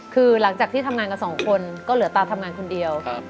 คือหลังจากที่ทำงานกันสองคนก็เหลือตาทำงานคนเดียว